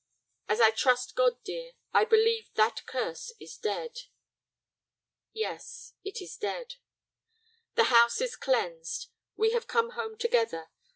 As I trust God, dear, I believe that curse is dead." "Yes, it is dead." "The house is cleansed; we have come home together.